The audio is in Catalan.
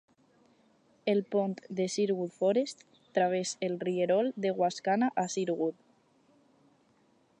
El pont de Sherwood Forest traves el rierol de Wascana a Sherwood.